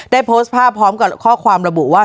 โพสต์ภาพพร้อมกับข้อความระบุว่า